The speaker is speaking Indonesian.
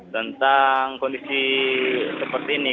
tentang kondisi seperti ini